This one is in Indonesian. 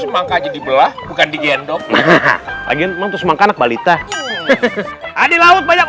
maka jadi belah bukan di gendong lagi nonton semangka balita adilawet banyak